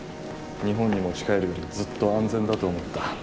日本に持ち帰るよりずっと安全だと思った。